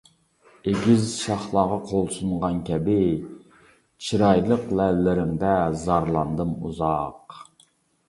ئېگىز شاخلارغا قول سۇنغان كەبى، چىرايلىق لەۋلىرىڭدە زارلاندىم ئۇزاق.